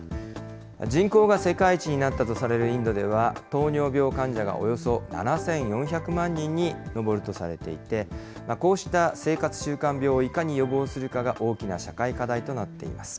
人口が世界一になったとされるインドでは、糖尿病患者がおよそ７４００万人に上るとされていて、こうした生活習慣病をいかに予防するかが大きな社会課題となっています。